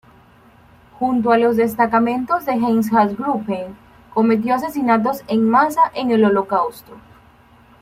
Junto a los destacamentos de "Einsatzgruppen", cometió asesinatos en masa en el Holocausto.